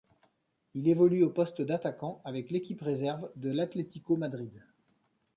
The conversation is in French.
Il évolue au poste d'attaquant avec l'équipe réserve de l'Atlético Madrid.